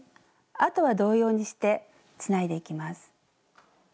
あとは同様にしてつないでいきます。